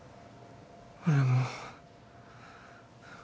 俺も。